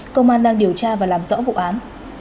công an đang điều tra và làm rõ vụ án